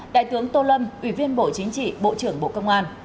đại tướng tô lâm ủy viên bộ chính trị bộ trưởng bộ công an